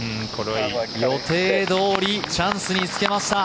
予定どおりチャンスにつけました。